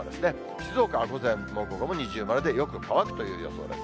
静岡は午前も午後も二重丸でよく乾くという予想です。